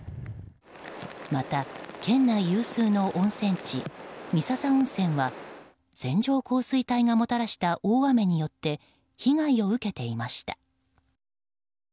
また県内有数の温泉地三朝温泉は線状降水帯がもたらした大雨によって被害を受けていました。